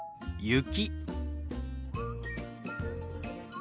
雪。